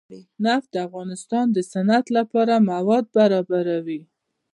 نفت د افغانستان د صنعت لپاره مواد برابروي.